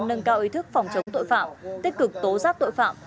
nâng cao ý thức phòng chống tội phạm tích cực tố giác tội phạm